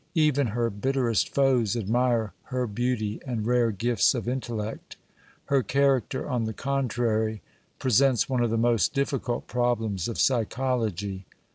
Even her bitterest foes admire her beauty and rare gifts of intellect. Her character, on the contrary, presents one of the most difficult problems of psychology.